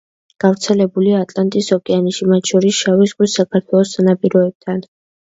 გავრცელებულია ატლანტის ოკეანეში, მათ შორის შავი ზღვის საქართველოს სანაპიროებთან.